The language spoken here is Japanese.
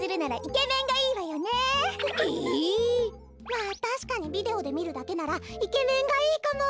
まあたしかにビデオでみるだけならイケメンがいいかも！